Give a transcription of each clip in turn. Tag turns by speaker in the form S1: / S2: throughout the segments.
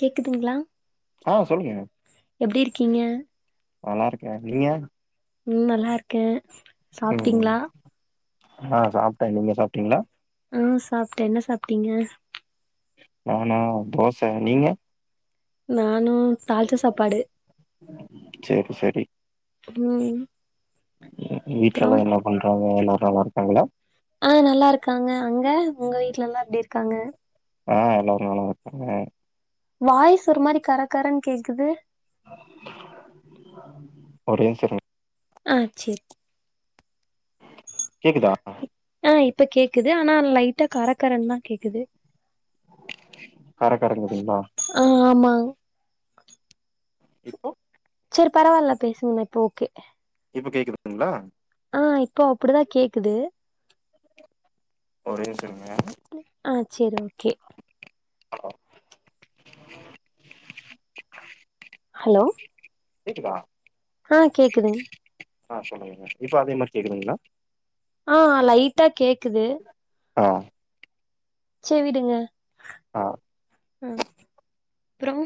S1: கேக்குதுங்களா
S2: அஹ் சொல்லுங்க
S1: எப்படி இருக்கீங்க
S2: நல்லா இருக்கேன் நீங்க
S1: உம் நல்லா இருக்கேன் சாப்டீங்களா
S2: அஹ் சாப்ட்டேன் நீங்க சாப்டீங்களா
S1: அஹ் சாப்ட்டேன் என்ன சாப்டீங்க
S2: நானா தோசை நீங்க
S1: நான் இன்னும் தாள்ச்ச சாப்பாடு
S2: சேரி சேரி
S1: ம்
S2: வீட்டுல
S1: அப்றோ
S2: எல்லாம் என்ன பண்றாங்க எல்லாரும் நல்லா இருக்காங்களா
S1: அஹ் நல்லா இருக்காங்க அங்க உங்க வீட்டுல எல்லாம் எப்படி இருக்காங்க
S2: அஹ் எல்லோரும் நல்லா இருக்காங்க
S1: வாய்ஸ்ஸு ஒரு மாரி கர கரன்னு கேக்குது
S2: ஒரே நிமிஷம் இருங்க
S1: அஹ் சேரி
S2: கேக்குதா
S1: அஹ் இப்ப கேக்குது ஆனா லைட்டா கரகரன்னு தான் கேக்குது
S2: கர கரங்குதுங்ளா
S1: அங்
S2: இப்போ
S1: சேரி பரவால பேசுங்ண்ணா இப்ப ஓகே
S2: இப்ப கேக்குதுங்ளா
S1: ஆ இப்போ அப்டிதா கேக்குது
S2: ஒரே நிம்ஷோ இருங்க
S1: செரி ஓகே
S2: ஆ
S1: ஹலோ
S2: கேக்குதா
S1: ஆ கேக்குதுங்
S2: ஆ சொல்லுங்க இப்ப அதே மாரி கேக்குதுங்ளா
S1: ஆ லைட்டா கேக்குது
S2: ஆ
S1: சே விடுங்க
S2: அ
S1: அ அப்றோ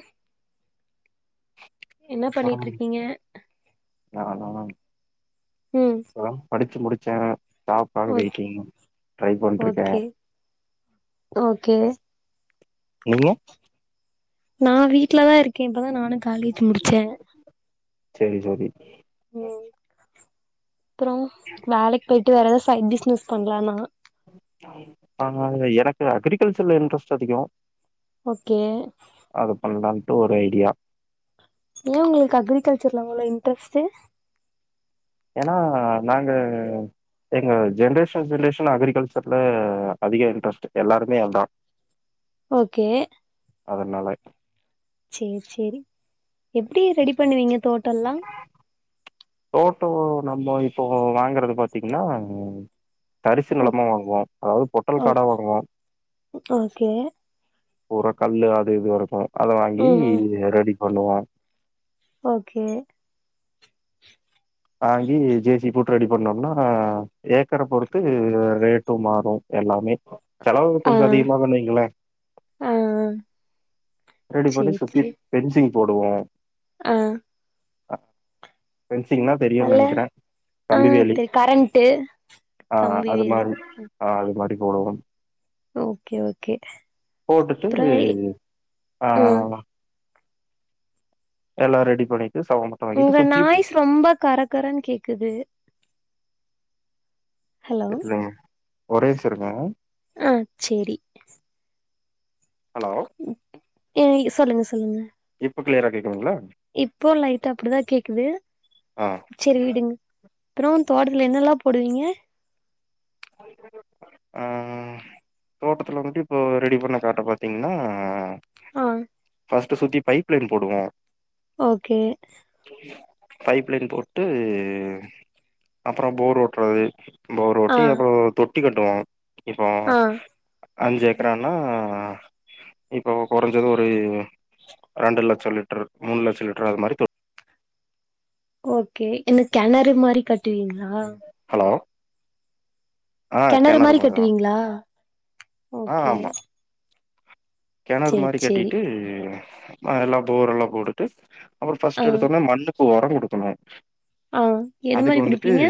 S1: என்ன
S2: அப்புறம்
S1: பண்ணிட்டுருக்கீங்க
S2: நானா பறம் படிச்சு முடி சேர டாப்பானு
S1: ஓகே
S2: வெயிட்டிங் ட்ரை பண்ட்ருக்க
S1: ஓகே ஓகே
S2: நீங்க
S1: நா வீட்லதா இருக்கே இப்பதா நானு காலேஜ் முடிச்சே
S2: சேரி ஜோதி
S1: ம் அப்றோ வேலைக் போய் டு வேற எதா சைட் பிஸ்னஸ் பண்ற நா
S2: ஆ எனக்கு அகிரிகல்ச்சர்ல இன்ட்ரஸ்ட் அதிகொ
S1: ஓகே
S2: ட்டு ஒரு ஐடியா
S1: ஏ உங்களுக்கு அக்ரிகல்ச்சர்ல அவ்ளோ இன்ட்ரெஸ்ட்டு
S2: ஏனா நாங்க எங்க ஜென்ரேஷன் ரிலேஷன் அகிரிகல்ச்சர்ல அதிக இன்ட்ரஸ்ட்டு எல்லாருக்மே அதா
S1: ஓகே
S2: அதனால
S1: சேர் சேரி எப்படி ரெடி பண்ணுவீங்க தோட்டம்ல்லாம்
S2: தோட்டம் நம்ம இப்போ வாங்கறது பாத்தீங்கன்னா தரிசு
S1: ஓக்
S2: நிலமா வாங்குவோம் அதாவது பொட்டல் காடா
S1: ஓக்
S2: வாங்குவோம்
S1: ஓகே
S2: பூரா கல்லு அது இது வரைக்கும் அத வாங்கி
S1: ம் ம்
S2: ரெடி பண்ணுவோம்
S1: ஓகே
S2: வாங்கி ஜே சி பி போட்டு ரெடி பண்ணோம்னா ஏக்கர பொறுத்து ரேட்டும் மாறும் எல்லாமே செலவு
S1: ஆ
S2: கொஞ்சம் அதிகமாதானு வைங்களேன்
S1: ஆ
S2: ரெடி பண்ணி சுத்தி பெஃன்சிங் போடுவோம்
S1: ஆஹ்
S2: அ பெஃன்சிங்னா தெரியும்னு
S1: அல்ல
S2: நெனைக்கிறேன்
S1: ஆ
S2: கம்பி வேலி
S1: தெரி கரண்ட்டு
S2: ஆஹ்
S1: கம்பி
S2: அது
S1: வேலி
S2: மாதிரி ஆஹ் அது மாரி போடுவோம்
S1: ஓகே ஓகே அப்றம்
S2: ஆஹ் எல்லாம் ரெடி பண்ணி
S1: உங்க நாய்ஸ் ரொம்ப கரக்கரன்னு கேக்குது ஹலோ
S2: தெரிலங்க ஒரே நிமிஷம் இருங்க
S1: ஆ சேரி
S2: ஹலோ
S1: சொல்லுங்க சொல்லுங்க
S2: க்ளீயர் கேட்குதுகளா
S1: இப்போ லைட்டு அப்படிதா கேக்குது
S2: ஆ
S1: சரி விடுங்க அப்புறம் தோட்டத்துல என்னல்லாம் போடுவீங்க
S2: ஆஹ் தோட்டத்துல வந்துட்டு இப்போ ரெடி பண்ண காட்ட பாத்தீங்கன்னா
S1: ஆஹ்
S2: ஃபஸ்டு சுத்தி பைப்லைன் போவோம்
S1: ஓகே
S2: பைப் லைன் போட்டு அப்பறம் போர் ஓட்டுறது
S1: ஆ
S2: தொட்டி அப்றம் தொ தொட்டி கட்டுவோம் இப்போ
S1: ஆ
S2: அஞ்சு ஏக்கரானா இப்போ கொறைஞ்சது ஒரு ரெண்ர லட்சம் லிட்டரு மூணு லட்சம் லிட்டர் அது மாதிரி தொ
S1: ஓகே என்ன கிணறு மாரி கட்டுவீங்களா
S2: ஹலோ ஆ
S1: கேணறு
S2: கெணறு
S1: மாரி
S2: மாரிதா
S1: கட்டுவீங்களா ஓகே
S2: கேணறு
S1: சேரி
S2: மாரி
S1: சேரி
S2: கட்டிட்டு ஆஹா எல்லா போரெல்லா போட்டுட்டு அப்போ ஃபர்ஸ்ட் எடுத்தோனா மண்ணு இப்போ ஓரோ குடுக்கணு
S1: ஆஹ் எது மாரி குடுப்பீங்க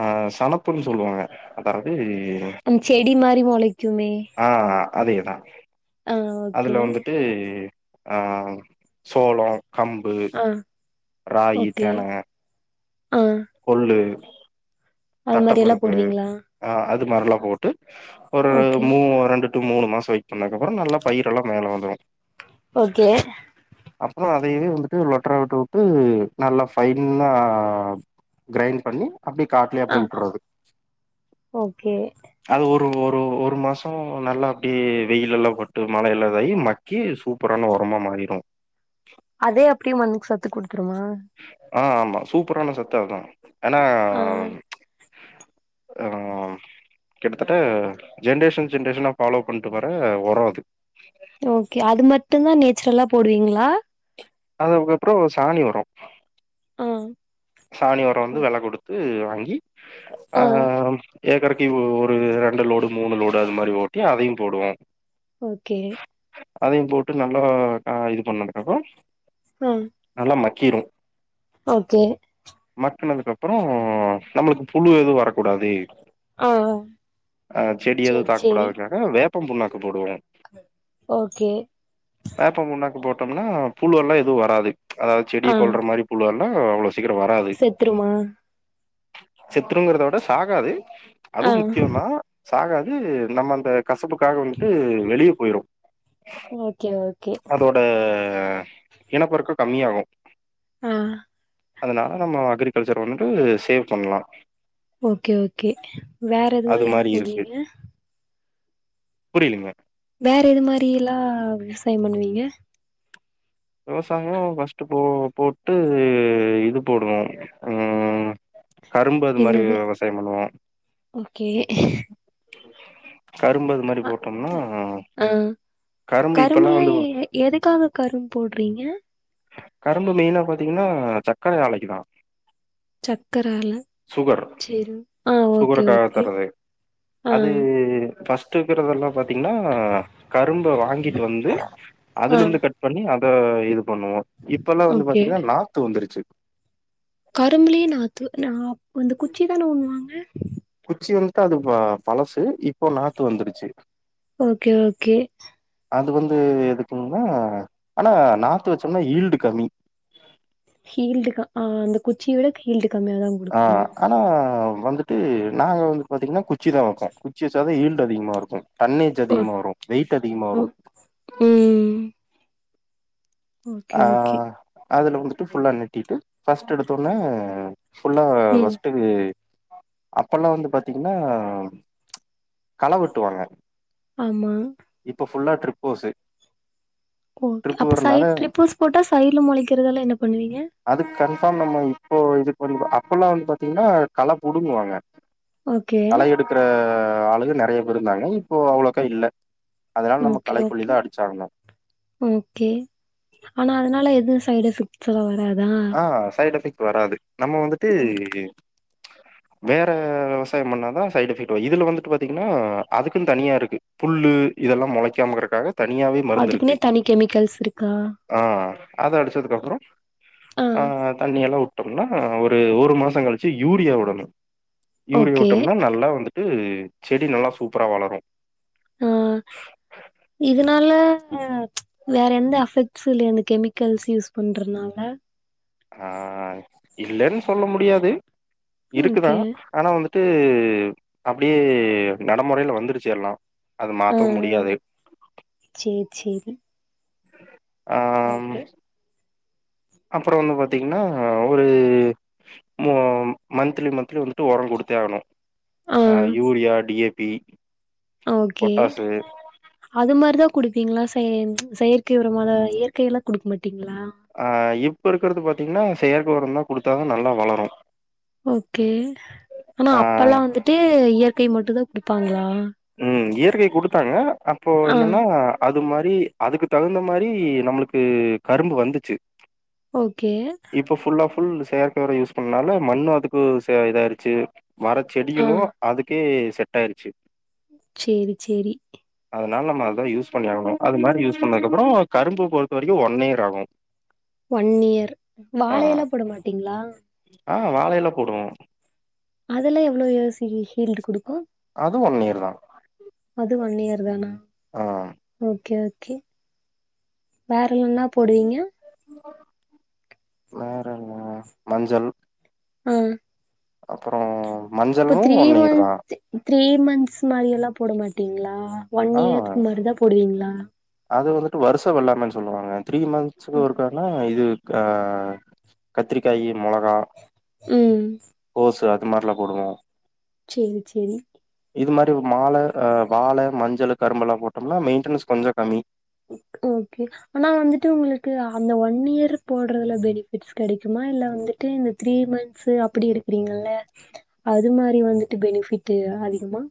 S2: ஆஹ் சனப்புன்னு சொல்லுவாங்க அதாவது
S1: உம் செடி மாரி மொளைக்குமே
S2: ஆ அதேதா
S1: ஆ
S2: அதுல
S1: ஓகே
S2: வந்துட்டு ஆஹ் சோளோ கம்பு
S1: ஆ
S2: ராகி
S1: ஓகே
S2: தெண
S1: ஆ அது மாரிலா போடுவீங்களா
S2: மரலா போட்டு ஒரு
S1: ஓகே
S2: மூ ரெண்டு ட்டு மூணு மாசோ வயிட் பண்ணக்கப்பரோ நல்ல பயிரல்லா மேல வந்துரு
S1: ஓகே
S2: அப்புறோ அதையவே வந்துட்டு லொட்டரா வுட்டுட்டு நல்லா ஃபைன்னா கிரைண்ட் பண்ணி அப்டி காட்லயே
S1: ஆ
S2: அப்டியே உட்டரது
S1: ஓகே
S2: அது ஒரு ஒரு ஒரு மாசோ நல்லா அப்டியே வெயிலல்லா பட்டு மழையெல்லா இதாயி மக்கி அது சூப்பரான உரமா மாறிரு
S1: அதே அப்டியே மண்க்கு சத்து குடுத்துருமா
S2: ஆஹ் ஆமா சூப்பரான சத்தோ அதா ஏனா
S1: ஆ
S2: அ ம் கிட்டத்தட்ட ஜென்ரேஷன் ஜென்ரேஷனா ஃபாலோ பண்ட்டு வர உரோ அது
S1: ஓகே அது மட்டுதா நேச்சுரலா போடுவீங்களா
S2: அதுக்கப்புறோ சாணி வரு
S1: ஆஹ்
S2: சாணி உரோ வந்து வேல குடுத்து வாங் ங்கி அ
S1: ஆ
S2: ம் ஏக்கருக்கு ஒரு ரெண்டு லோடு மூணு லோடு அது மாரி ஓட்டி அதையும் போடுவோம்
S1: ஓகே
S2: அதையும் போட்டு நல்லா இது பண்ணதுக்கு அப்பறம்
S1: ஆ
S2: அல்லமை கீறும்
S1: ஓகே
S2: பக்குனதுக்கு அப்புறம் நம்மளுக்கு புழு எதுவும் வரக்கூடாது
S1: ஆ
S2: அஹ் செடி எதுவும்
S1: சேரி
S2: தாக்க
S1: சேரி
S2: கூடாதுக்காக வே ப்பம் புண்ணாக்கு போடுவே
S1: ஓகே
S2: ப்பனா புழு எெல்லாம் எதுவும் வராது அதாவது செடி
S1: ஆ
S2: கொல்ற மாதிரி புழு வம் அ அவ்ளோ சீக்கிரம் வராது.
S1: செத்துருமா
S2: செத்துருங்கிறத விட சாகாது
S1: ஆ
S2: அதுவும் முக்கியம் தா சாகாது நம்மந்த கசப்புக்காக வந்துட்டு வெளியே போயிரும்
S1: ஓகே ஓகே
S2: அதோட இனப்பெருக்க கம்மியாகும்
S1: ஆஹ்
S2: அதனால நம்ம அக்ரிகல்ச்சர் வந்துட்டு சேவ் பண்ணலாம்
S1: ஓகே ஓகே வேற எது மாரில்லாம் போடுவீங்க
S2: புரியலங்க
S1: வேற எது மாரி எல்லாம் விவசாயம் பண்ணுவீங்க
S2: விவசாயம் ஃபர்ஸ்ட்டு போ போட்டு இது போடுவோம் ஹம் கரும்பு அது மாரி
S1: என்னது
S2: விவசாயம் பண்ணுவோம்
S1: ஓகே
S2: கரும்பு அது மாரி
S1: அ
S2: போட்டோம்னா
S1: ஆஹ்
S2: கரும்பு இப்பெல்லா
S1: கரும்புல
S2: வந்து
S1: எதுக்காக கரும்பு போடுறீங்க
S2: கரும்பு மெயினா பாத்தீங்கன்னா சக்கரை ஆலைக்குதான்
S1: சக்கரால
S2: சுகர்
S1: சேரி ஆ ஓகே
S2: சுகருக்காக
S1: ஓகே
S2: தரது
S1: ஆ
S2: அது ஃபர்ஸ்ட்க்கிறதெல்லாம் பாத்தீங்கன்னா கரும்ப வாங்கிட்டு வந்து
S1: ஆ
S2: அதுல இருந்து கட் பண்ணி அ ஆ இது பண்ணுவோம் இப்ப எல்லாம் வந்து பாத்தீங்கன்னா நாத்து வந்துருச்சு
S1: கரும்புலே நாத்து ந கொந்த குச்சி தானே உண்ணுவாங்க
S2: குச்சி வந்துட்டு அது பழசு இப்போ நாத்து வந்துருச்சு
S1: ஓகே ஓகே
S2: அது வந்து எதுக்குன்னா ஆனா நார்த்து வச்சோம்னா ஈல்டு கம்மி
S1: ஹீல்டு ஆஹ் அந்த குச்சியோட ஹீல்டு கம்மியாதா குடுக்குமா
S2: ஆஹ் ஆனா வந்துட்டு நாங்க வந்து பாத்தீங்ன்னா குச் குச்சி தா வப்பே குச்சி சத ஹீல் அதிகமாருக்கு தண்ணீர்ச்
S1: ஓ
S2: அதிகமா வரு வெயிட் அதிகமா
S1: ஓ
S2: வரு
S1: ம்
S2: ஆ
S1: ஓகே ஓகே
S2: அதுல வுட்டு ஃபுல்லா நெட்டிட்டு ஃபர்ஸ்ட்டு எடுத்தோனே ஃபுல்லா
S1: ம்
S2: [unintelligible] அப்பெல்லா வந்து பாத்தீங்ன்னா கள வெட்டுவாங்க
S1: ஆமா
S2: இப்ப ஃபுல்லா ட்ரிப் போசு
S1: ஓகே அப்ப சைட்ரிக்கிஸ் போட்டா சைட்ல மொளைக்கறதலா என்ன பண்ணுவீங்க
S2: அதுக்கு கன்ஃபார்ம் நம்ப இப்போ இது பண்ல அப்பெல்லா வந்து பாத்தீங்கன்னா கள புடுங்குவாங்க
S1: ஓகே
S2: கள எடுக்குற ஆளுக நெறைய பேர் இருந்தாங்க இப்போ அவ்ளோக்கா இல்ல அதனால நம்ப
S1: ஓகே ஓகே
S2: களைக்கொல்லிதா அடிச்சாவனு
S1: ஓகே ஆனா அதனால எதுவு சைட் எஃபெக்ட்ஸ்லா வராதா
S2: ஆஹ் சைட் எஃபெக்ட் வராது நம்ம வந்துட்டு வேற விவசாயம் பண்ணாதா சைட் எஃபெக்ட் வரு இதுல வந்துட்டு பாத்தீங்கன்னா அதுக்குன்னு தனியா இருக்கு புல்லு இதெல்லா மொளைக்காம கெடக்கு தனியாவே மருந்துருக்கு
S1: அதுக்குன்னே தனி கெமிக்கல்ஸ் இருக்கா
S2: ஆஹ் அத அடிச்சதுக்கப்றோ
S1: ஆ
S2: ஆஹ் தண்ணி எல்லா வுட் ட்டோம்னா ஒரு ஒரு மாசோ கழிச்சி யூரியா வுடனு யூரியா
S1: ஓகே
S2: வுட்டோம்னா நல்லா வந்துட்டு செடி நல்லா சூப்பரா வளரு
S1: ஆஹ் இதனால ஆ ம்ச் வேற எந்த அஃபெக்ட்ஸ் இல்ல இந்த கெமிக் கெர்ல்ஸ் யூஸ் பண்றனால
S2: ஆ இல்லைன்னு ‌சொல்ல முடியாது இருக்கு
S1: ஓகே
S2: தான் ஆனா வந்து விட்டு அப்டியே நடைமுறையில வந்துருச்சு எல்லாம் அது
S1: ஆ
S2: மாத்தவும் முடியாது
S1: சேரி சேரி
S2: ஆஹம்
S1: ஓகே
S2: அப்புறோ ‌ வந்து பாத்தீங்கன்னா ஒரு மந்த்லி மந்த்லி வந்து உரம் கொடுத்தே ஆகணும்
S1: ஆ
S2: யூரியா டி ஏ தீ
S1: ஓகே அது மாரி தான் குடி ப்பங்களா சேந்து செயற்கை உரமாத இயற்கை எல்லாம் குடுக்க மாட்டங்க ட்டீங்களா
S2: ஆ இப்ப இருக்குறது பாத்தீங்கன்னா செயற்கை உரம் தான் கொடுத்தாதங்க நல்லா வளரும்
S1: ஓகே ஆனா
S2: ஆ
S1: அப்பெல்லாம் வந்துட்டு இயற்கை மட்டும் தான் குடுப்பாங்களா
S2: ம். இயற்கை குடுத்தாங்க. அப்போ
S1: ஆ
S2: என்னன்னா, அது மாரி அதுக்கு தகுந்த மாரி நம்முளுக்கு கரும்பு வந்து ச்சு
S1: ஓகே
S2: ஃபுல் செயற்கை உரோ யூஸ் பண்ணனால மண்ணும் அதுக்கு இதாயிச்சு மர
S1: ஆ
S2: செடிகளும் அதுக்கே செட்டாயிருச்சு
S1: சேரி சேரி
S2: அதனால நம்ம அதான் யூஸ் பண்ணியாகனு அது மாரி யூஸ் பண்ணதுக்கு அப்புறம் கரும்பு பொறுத்த வரைக்கும் ஒன் இயர் ஆகும்
S1: ஒன் இயர்
S2: ஆ.
S1: வாழையில போட மாட்டீங்களா
S2: ஆ வாழையில போடுவோம்
S1: அதெல்லாம் எவ்ளோ இயர்ஸ் ஹீல்டு குடுக்கும்
S2: அதுவும் தான்
S1: அது ஒன் இயர் தானா
S2: ஆ.
S1: ஓகே ஓகே ஓகே வேர் என்னா போடுவீங்க
S2: வேரன்ன மஞ்சள்
S1: உம்
S2: அப்பறோ
S1: இப்ப தீரிமன்த்து த்ரீ மந்த்ஸ் மாரியெல்லா போட மாட்டீங்களா ஒன்
S2: ஆ.
S1: இயர் மாரி தா போடுவீங்களா உம்
S2: அது வந்துட்டு வருசவெல்லாமன்னு சொல்லுவாங்க த்ரீ மந்த்ஸ்க்கு ஒருக்கானா இது ஆ கத்திரிக்காய் மொளகா
S1: ம்
S2: கோசு இந்த மாரிலா போடுவோ
S1: செரி செரி
S2: இது மாரி மால வாழ மஞ்சள் கரும்பெல்லா போட் மெயின்டன்ஸ் கொஞ்ச
S1: ஓகே ஆனா வந்துட்டு உங்களுக்கு அந்த ஒன் இயர் போடுறதுல பெனிஃபிட்ஸ் கிடைக்குமா இல்ல வந்துட்டு இந்த த்ரீ மந்த்ஸ் அப்படி இருக்கறீங்கல்ல அது மாதிரி வந்துட்டு பெனிஃபிட் அதிகமா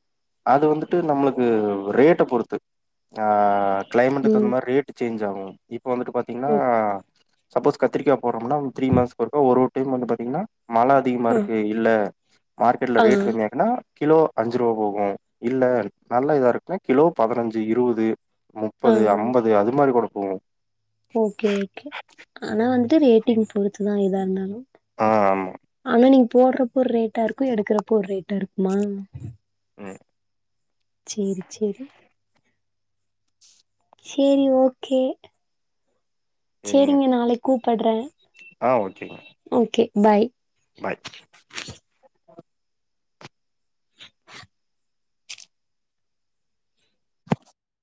S2: அது வந்துட்டு நம்மளுக்கு ரேட்ட பொறுத்து ஆ டைமண்ட்டுக்கு
S1: ம்
S2: தகுந்த மாரி ரேட்டு சேச் இதாவும் இப்ப வந்துட்டு பாத்தீங்னா
S1: ஓக்
S2: சப்போஸ் கத்திரிக்கா போடுரோம்னா த்ரி மன்ஸ்க்கு ஒருக்கா ஒரு டீம் வந்து பாத்தீங்னா மழை அதிகமா
S1: ஆ
S2: இருக்கு இல்ல மார்கெட்டுல
S1: ஆ
S2: ரேட் கம்மியா இருக்குனா கிலோ அஞ்சு ருவா போகுங்க இல்ல நல்லா இதா இருக்குனா கிலோ பதினஞ்சு, இருவது
S1: ஆ
S2: முப்பது, அம்பது அது மாரி கூட போவோ
S1: ஓகே ஓகே ஆனா வந்துட்டு ரேட்டிங் போ த்துனா இதா இருந்தாலு
S2: ஆ ஆமா
S1: ஆனா நீ போறப்போ ரேட் டாருக்கு எடுக்கிறப்ப ஒரு ரேட்டா இரு மா
S2: ம்
S1: சேரி சேரி சேரி ஓகே சேரிங்க நாளைக் கூ படுறே
S2: ஆஹ் ஓகே
S1: பாய்
S2: பாய்